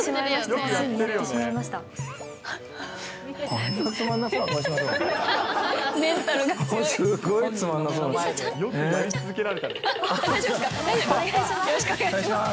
よろしくお願いします。